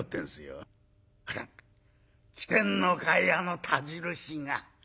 「あら来てんのかいあの田印が。